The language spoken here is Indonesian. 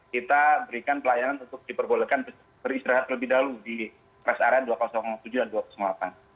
kita berikan pelayanan untuk diperbolehkan beristirahat lebih dahulu di pres area dua ribu lima puluh tujuh dan dua ribu lima puluh delapan